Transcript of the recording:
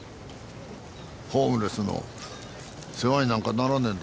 ホームレスの世話になんかならねぇんだろ？